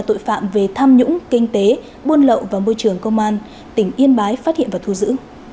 tội phạm về tham nhũng kinh tế buôn lậu và môi trường công an tỉnh yên bái phát hiện và thu giữ